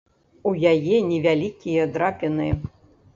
У яе невялікія драпіны.